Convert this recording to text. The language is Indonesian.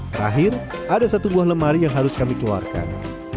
terakhir ada satu buah lemari yang harus kami keluarkan